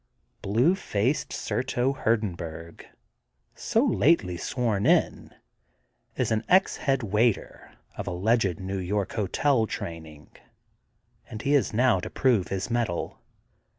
Blue faced Surto Hurdenburg, so lately sworn in, is an ex headwaiter of alleged New York hotel training and he is now to prove his mettle.